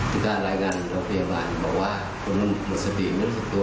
ตรงงานก็เผยฐานบอกว่าคนมุติสตินามศิษย์ตัว